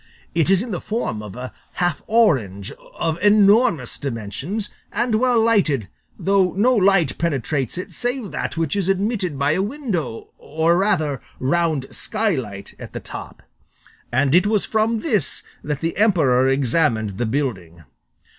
It is in the form of a half orange, of enormous dimensions, and well lighted, though no light penetrates it save that which is admitted by a window, or rather round skylight, at the top; and it was from this that the emperor examined the building.